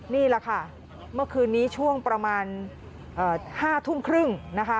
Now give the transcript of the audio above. นี่แหละค่ะเมื่อคืนนี้ช่วงประมาณ๕ทุ่มครึ่งนะคะ